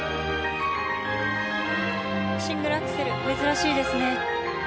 シングルアクセル珍しいですね。